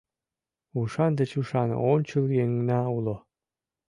Ушан деч ушан ончыл еҥна уло